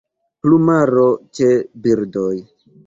Plumaro ĉe birdoj.